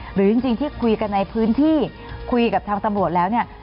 หรือจริงที่คุยกันในพื้นที่คุยกับทางตำรวจแล้วเนี่ย